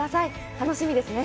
楽しみですね。